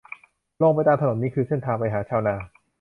ลงไปตามถนนนี้คือเส้นทางไปหาชาวนา